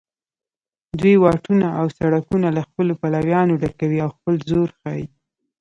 دوی واټونه او سړکونه له خپلو پلویانو ډکوي او خپل زور ښیي